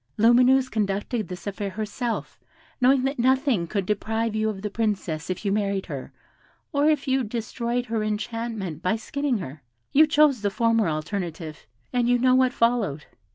Lumineuse conducted this affair herself, knowing that nothing could deprive you of the Princess if you married her, or if you destroyed her enchantment by skinning her. You chose the former alternative, and you know what followed.